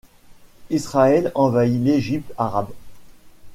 Israël envahit l'Égypte arabe.